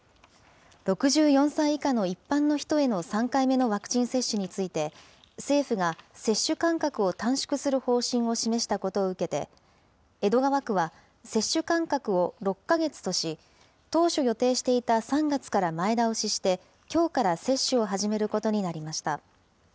６４歳以下の一般の人への３回目のワクチン接種について、政府が接種間隔を短縮する方針を示したことを受けて、江戸川区は接種間隔を６か月とし、当初予定していた３月から前倒しして、きょうから接種を始めることになりました。